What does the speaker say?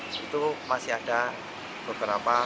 di spbu yang ketiga dari pemalang muntah